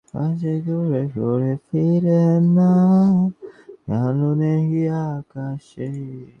লোকটা কি যেন চিন্তা করে।